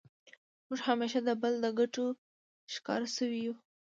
موږ همېشه د بل د ګټو ښکار سوي یو.